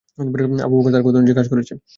Abu Bakr তার কথা অনুযায়ী কাজ করেছে।